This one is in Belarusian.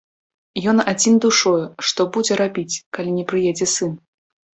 Ён адзін душою, што будзе рабіць, калі не прыедзе сын?